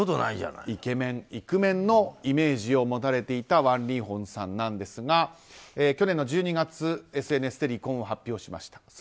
イケメン、イクメンのイメージを持たれていたワン・リーホンさんなんですが去年の１２月、ＳＮＳで離婚を発表しました。